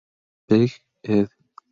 Veg., ed.